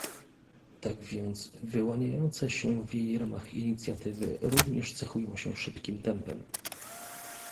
Tak więc wyłaniające się w jej ramach inicjatywy również cechują się szybkim tempem